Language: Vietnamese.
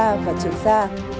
hoàng sa và trường sa